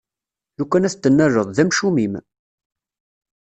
Lukan ad t-tennaleḍ, d amcum-im!